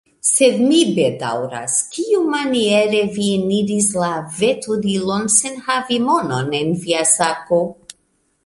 Sed mi bedaŭras, kiumaniere vi eniris la veturilon sen havi monon en via sako?